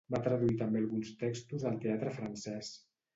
Va traduir també alguns textos del teatre francès.